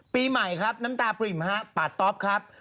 ปีใหม่ครับน้ำตาปริ่มฮะปาดต๊อปครับ